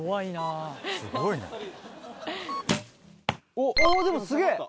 おー、でも、すげえ。